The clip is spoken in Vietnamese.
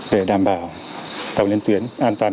để đảm bảo tàu lên tuyến an toàn